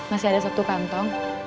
masih ada satu kantong